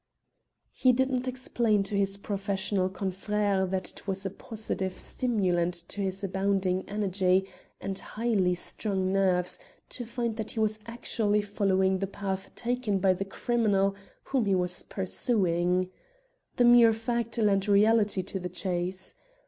He did not explain to his professional confrère that it was a positive stimulant to his abounding energy and highly strung nerves to find that he was actually following the path taken by the criminal whom he was pursuing. The mere fact lent reality to the chase.